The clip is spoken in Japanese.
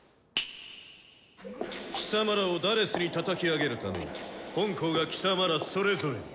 貴様らを「４」にたたき上げるために本校が貴様らそれぞれに。